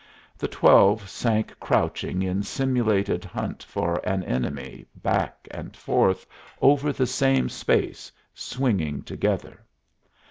The twelve sank crouching in simulated hunt for an enemy back and forth over the same space, swinging together.